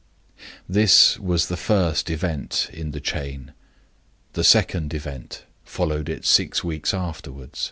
"This was the first event in the chain. The second event followed it six weeks afterward.